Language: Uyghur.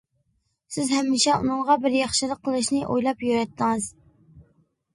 سىز ھەمىشە ئۇنىڭغا بىر ياخشىلىق قىلىشنى ئويلاپ يۈرەتتىڭىز.